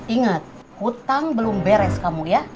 ingat hutang belum beres kamu ya